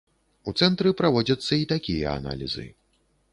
У цэнтры праводзяцца і такія аналізы.